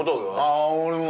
ああ俺も。